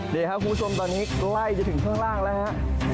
นี่ครับคุณผู้ชมตอนนี้ใกล้จะถึงข้างล่างแล้วฮะ